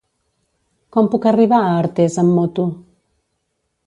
Com puc arribar a Artés amb moto?